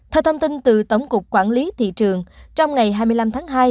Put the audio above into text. theo thông tin từ tổng cục quản lý thị trường trong ngày hai mươi năm tháng hai